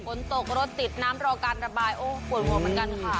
ฝนตกรถติดน้ำรอการระบายอู่ฝนมันกันค่ะ